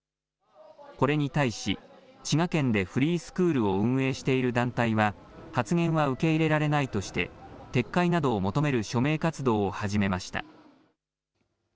これに対し、滋賀県でフリースクールを運営している団体は発言は受け入れられないとして撤回などを求める署名活動を始めました。